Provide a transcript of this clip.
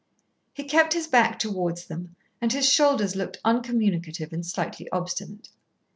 He kept his back towards them, and his shoulders looked uncommunicative and slightly obstinate.